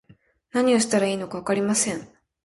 何をしたらいいのかわかりません